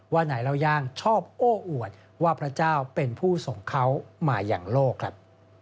ว่านายเล่าย่างชอบโอ้อวดว่าพระเจ้าเป็นผู้ส่งเขามาอย่างโลกครับ